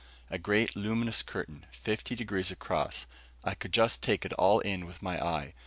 A great luminous curtain, fifty degrees across, I could just take it all in with my eye.